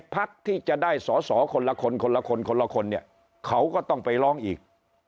พักที่จะได้สอสอคนละคนคนละคนคนละคนเนี่ยเขาก็ต้องไปร้องอีก